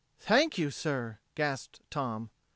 "Thank you, sir," gasped Tom.